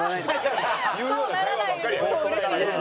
そうならないとうれしいですね。